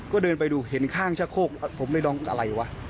ก็เดินไปดูเห็นข้างชะโคกผมได้ลองอะไรวะ